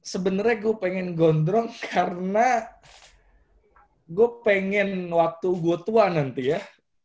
sebenernya gua pengen gondrong karena gua pengen waktu gua tua nanti ya